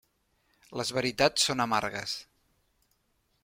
Les veritats són amargues.